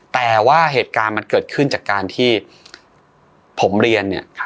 แต่ว่าเหตุการณ์มันเกิดขึ้นจากการที่